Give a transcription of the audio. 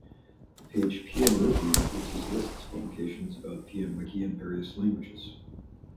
The page PmWiki References lists publications about PmWiki in various languages.